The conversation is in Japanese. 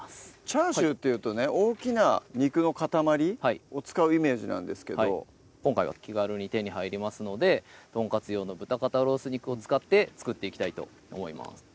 チャーシューというとね大きな肉の塊を使うイメージなんですけど今回は気軽に手に入りますのでとんかつ用の豚肩ロース肉を使って作っていきたいと思います